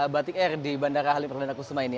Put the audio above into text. batik air di bandara halim perdana kusuma ini